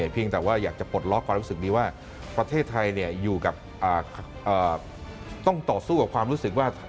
เพียงแต่ว่าอยากจะปลดล็อกความรู้สึกนี้ว่าประเทศไทยอยู่กับต้องต่อสู้กับความรู้สึกว่า